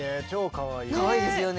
かわいいですよね。